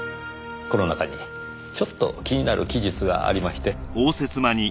この中にちょっと気になる記述がありまして。